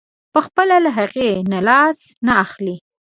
پخپله له هغې نه لاس نه اخلي.